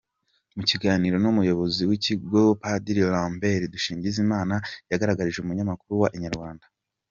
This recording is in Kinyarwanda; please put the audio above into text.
Mu kiganiro n’umuyobozi w’ikigo, Padiri Lambert Dusingizimana, yagaragarije umunyamakuru wa Inyarwanda.